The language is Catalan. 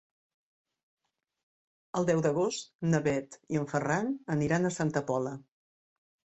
El deu d'agost na Bet i en Ferran aniran a Santa Pola.